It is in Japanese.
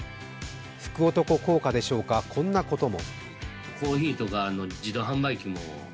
福男効果でしょうか、こんなことも。